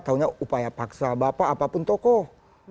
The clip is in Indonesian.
tahunya upaya paksa bapak apapun tokoh